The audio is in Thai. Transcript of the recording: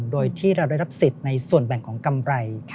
โดยที่เราได้รับสิทธิ์ในส่วนแบ่งของกำไร